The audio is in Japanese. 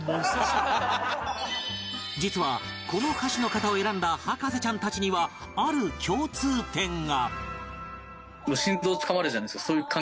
実はこの歌手の方を選んだ博士ちゃんたちにはある共通点が